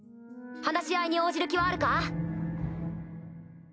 話し合いに応じる気はあるか？